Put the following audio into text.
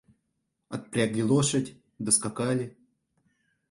Отпрягли лошадь, доскакали..